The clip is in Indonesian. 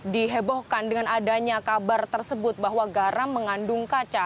dihebohkan dengan adanya kabar tersebut bahwa garam mengandung kaca